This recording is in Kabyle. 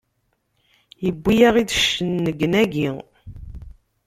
Yewwi-yaɣ-iid cennegnagi!